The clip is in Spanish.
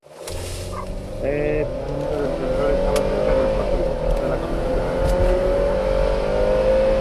El epicentro del temblor estaba cerca de Puerto Príncipe, la capital del país.